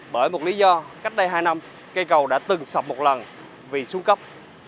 bởi một lý do cách đây hai năm cây cầu đã từng sập một lần vì xuống cấp